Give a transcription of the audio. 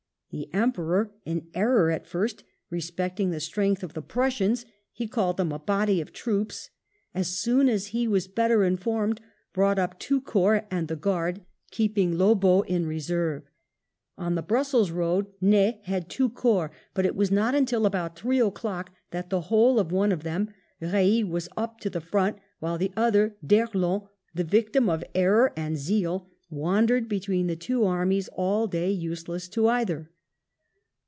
The Emperor, in error at first respecting the strength of the Prussians — he called them a body of troops — as soon as he was better informed, brought up two corps and the Guard, keeping Lobau in reserve. On the Brussels road Ney had two corps, but it was not until about three o'clock that the whole of one of them, Keille's, was up to the front, while the other, d'Erlon's, the victim of error and zeal, wandered between the two armies all day, useless to either.